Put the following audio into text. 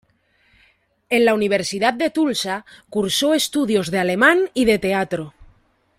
En la Universidad de Tulsa, cursó estudios de alemán y de teatro.